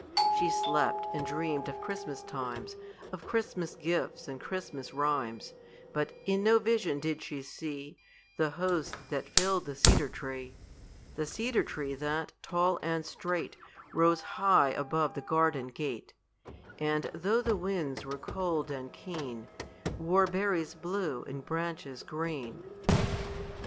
She slept, and dreamed of Christmas times, Of Christmas gifts, and Christmas rhymes; But in no vision did she see The host that filled the cedar tree The cedar tree that, tall and straight, Rose high above the garden gate, And though the winds were cold and keen, Wore berries blue and branches green.